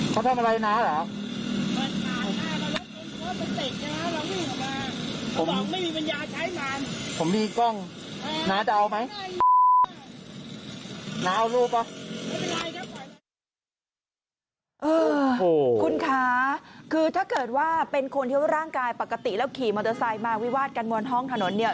คุณคะคือถ้าเกิดว่าเป็นคนที่ว่าร่างกายปกติแล้วขี่มอเตอร์ไซค์มาวิวาดกันบนห้องถนนเนี่ย